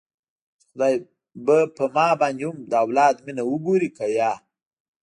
چې خداى به په ما باندې هم د اولاد مينه وګوري که يه.